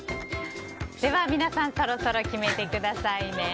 では、皆さんそろそろ決めてくださいね。